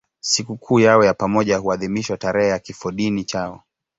Sikukuu yao ya pamoja huadhimishwa tarehe ya kifodini chao.